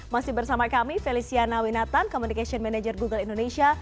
masih bersama kami feliciana winatan communication manager google indonesia